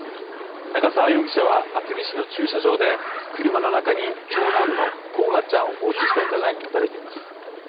長沢容疑者は厚木市の駐車場で車の中に長男の煌翔ちゃんを放置した疑いが持たれています。